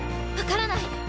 分からない！